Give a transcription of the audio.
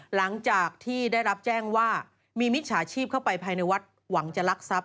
หลังจากที่ได้รับแจ้งว่ามีมิจฉาชีพเข้าไปภายในวัดหวังจะลักทรัพย